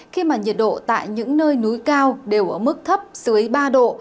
khi mà nhiệt độ tại những nơi núi cao đều ở mức thấp dưới ba độ